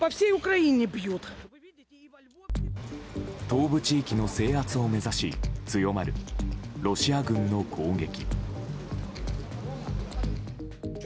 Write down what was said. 東部地域の制圧を目指し強まるロシア軍の攻撃。